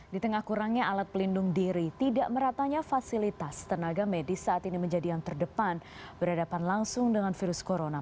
di tengah kurangnya alat pelindung diri tidak meratanya fasilitas tenaga medis saat ini menjadi yang terdepan berhadapan langsung dengan virus corona